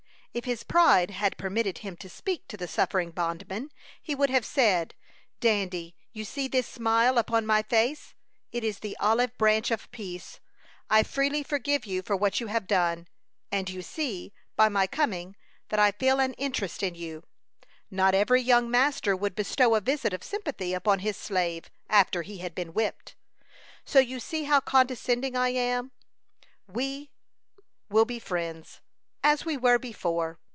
If his pride had permitted him to speak to the suffering bondman, he would have said, "Dandy, you see this smile upon my face. It is the olive branch of peace. I freely forgive you for what you have done; and you see, by my coming, that I feel an interest in you. Not every young master would bestow a visit of sympathy upon his slave, after he had been whipped; so you see how condescending I am. We will be friends, as we were before.